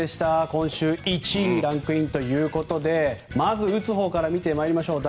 今週１位にランクインということでまず打つほうから見ていきましょう。